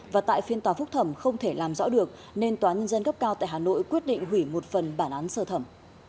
và tại phiên tòa phúc thẩm không thể làm rõ được nên tòa nhân dân cấp cao tại hà nội quyết định hủy một phần bản án sơ thẩm